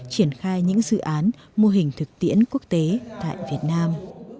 triển khai những dự án mô hình thực tiễn quốc tế tại việt nam